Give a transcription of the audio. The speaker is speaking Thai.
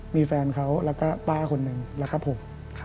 มีแฟนเขาแล้วก็ป้าคนนึงแล้วก็ผม